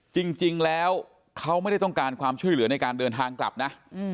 จริงแล้วเขาไม่ได้ต้องการความช่วยเหลือในการเดินทางกลับนะ